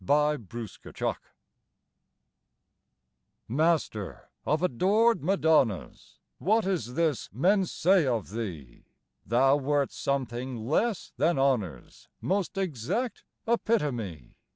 TO RAPHAEL Master of adored Madonnas, What is this men say of thee? Thou wert something less than honor's Most exact epitome?